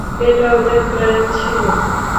এটা ওদের প্ল্যান ছিল।